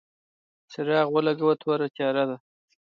څراغ ولګوه ، توره تیاره ده !